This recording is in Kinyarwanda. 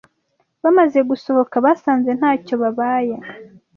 Bamaze gusohoka basanze nta cyo babaye